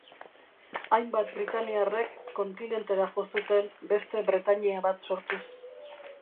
Hainbat britainiarrek kontinentera jo zuten, beste Bretainia bat sortuz.